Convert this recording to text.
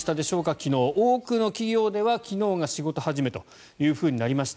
昨日、多くの企業では仕事始めとなりました。